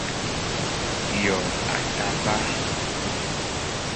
Yo ataba.